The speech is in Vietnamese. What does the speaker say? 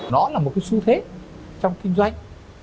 nó là một cái xu thế trong kinh doanh